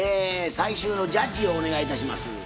最終のジャッジをお願いいたします。